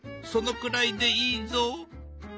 そのくらいでいいぞ。